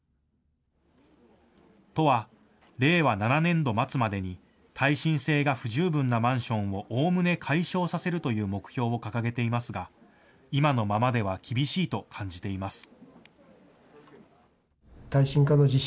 都は、令和７年度末までに耐震性が不十分なマンションをおおむね解消させるという目標を掲げていますが、今のままでは厳しいと感じています。